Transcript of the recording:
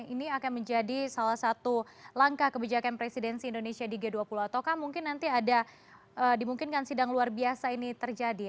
ini akan menjadi salah satu langkah kebijakan presidensi indonesia di g dua puluh atau mungkin nanti ada dimungkinkan sidang luar biasa ini terjadi